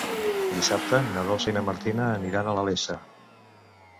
Dissabte na Dolça i na Martina aniran a la Iessa.